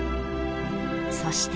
［そして］